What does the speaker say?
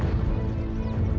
nanti aku akan datang